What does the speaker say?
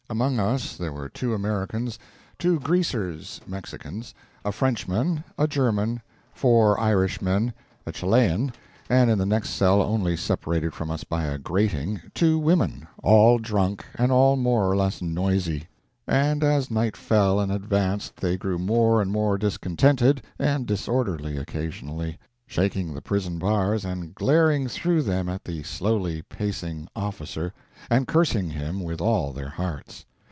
Among us there were two Americans, two "Greasers" (Mexicans), a Frenchman, a German, four Irishmen, a Chilenean (and, in the next cell, only separated from us by a grating, two women), all drunk, and all more or less noisy; and as night fell and advanced, they grew more and more discontented and disorderly, occasionally; shaking the prison bars and glaring through them at the slowly pacing officer, and cursing him with all their hearts.